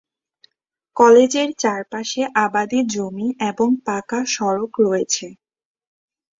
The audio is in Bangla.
কলেজের চারপাশে আবাদী জমি এবং পাঁকা সড়ক রয়েছে।